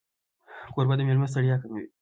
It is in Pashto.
کوربه د مېلمه ستړیا کموي.